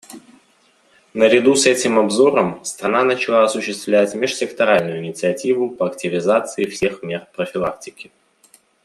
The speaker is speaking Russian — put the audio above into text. Наряду с этим обзором страна начала осуществлять межсекторальную инициативу по активизации всех мер профилактики.